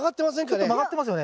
ちょっと曲がってますよね？